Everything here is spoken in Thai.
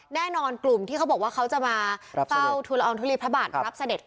แน่นอนกลุ่มที่เขาบอกว่าเขาจะมาเฝ้าทุลอองทุลีพระบาทรับเสด็จ